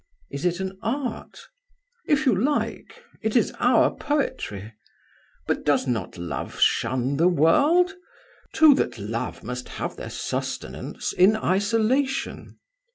"Is it an art?" "If you like. It is our poetry! But does not love shun the world? Two that love must have their sustenance in isolation."